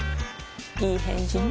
いい返事ね